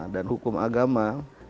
dan hukum agama